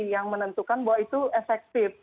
yang menentukan bahwa itu efektif